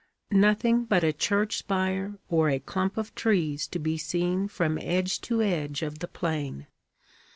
'Nothing but a church spire or a clump of trees to be seen from edge to edge of the plain.